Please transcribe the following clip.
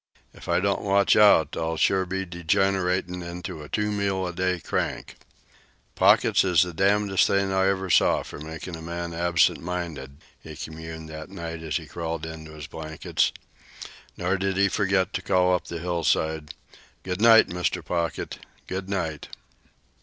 If I don't watch out, I'll sure be degeneratin' into a two meal a day crank." "Pockets is the hangedest things I ever see for makin' a man absent minded," he communed that night, as he crawled into his blankets. Nor did he forget to call up the hillside, "Good night, Mr. Pocket! Good night!"